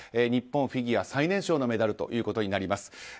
日本フィギュア最年少のメダルということになります。